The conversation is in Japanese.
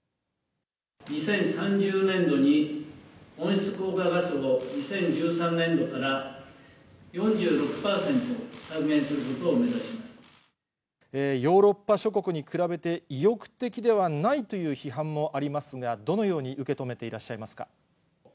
２０３０年度に温室効果ガスを２０１３年度から４６％削減すヨーロッパ諸国に比べて、意欲的ではないという批判もありますが、どのように受け止めていらっしゃいますか？